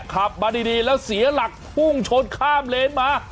ขับมาดีแล้วเสียหลักพุ่งชนข้ามเลนมา